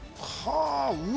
うわ！